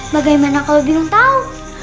bagaimana kalau biar tau